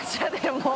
もう。